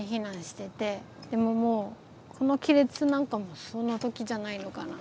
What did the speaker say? でももうこの亀裂なんかもその時じゃないのかな。